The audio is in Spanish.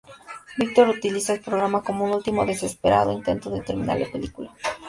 Viktor utiliza el programa como un último, desesperado intento de terminar la película.